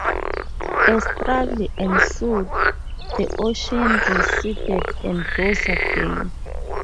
A struggle ensued; the ocean receded and rose again.